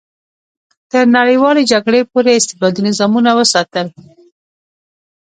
تر نړیوالې جګړې پورې استبدادي نظامونه وساتل.